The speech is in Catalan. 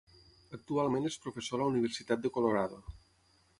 Actualment és professor a la Universitat de Colorado.